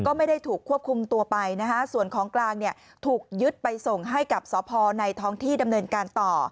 ก็ไม่ได้ถูกควบคุมตัวไปนะฮะส่วนของกลางเนี่ยถูกยึดไปส่งให้กับสพในท้องที่ดำเนินการต่อ